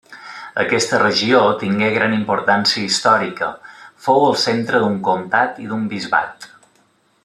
Aquesta regió tingué gran importància històrica: fou el centre d'un comtat i d'un bisbat.